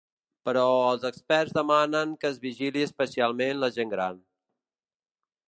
Però els experts demanen que es vigili especialment la gent gran.